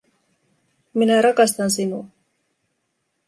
Minä rakastan sinua